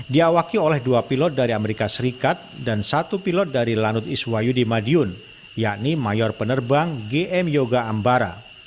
diawaki oleh dua pilot dari amerika serikat dan satu pilot dari lanut iswayu di madiun yakni mayor penerbang gm yoga ambara